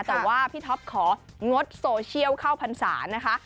แต่ว่าพี่ท็อปของงดโซเชียลเข้าพรรษานะคะ